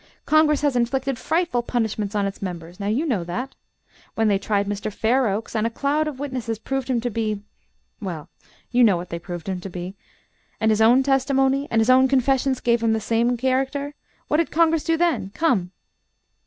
Congress has inflicted frightful punishments on its members now you know that. When they tried Mr. Fairoaks, and a cloud of witnesses proved him to be well, you know what they proved him to be and his own testimony and his own confessions gave him the same character, what did Congress do then? come!"